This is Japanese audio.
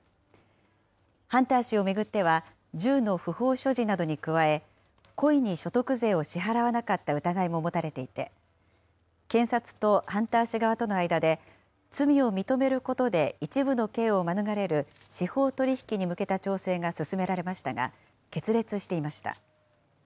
ハンター氏を巡っては、銃の不法所持などに加え、故意に所得税を支払わなかった疑いも持たれていて、検察とハンター氏側との間で、罪を認めることで一部の刑を免れる司法取引に向けた調整が進められましたが、決裂していました。